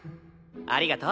ありがとう。